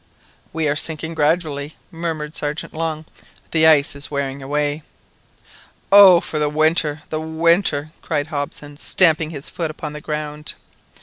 "We are sinking gradually," murmured Sergeant Long. "The ice is wearing away." "Oh for the winter! the winter!" cried Hobson, stamping his foot upon the ground.